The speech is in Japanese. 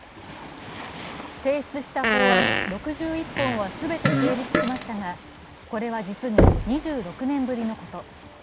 提出した法案６１本は全て成立しましたが、これは実に２６年ぶりのこと。